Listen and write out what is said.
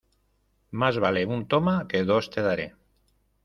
Más vale un "toma" que dos "te daré".